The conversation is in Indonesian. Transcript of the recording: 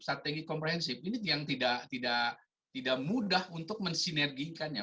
strategi komprehensif ini yang tidak mudah untuk mensinergikannya